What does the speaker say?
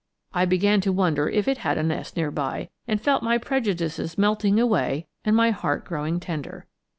I began to wonder if it had a nest near by, and felt my prejudices melting away and my heart growing tender.